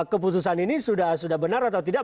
keputusan ini sudah benar atau tidak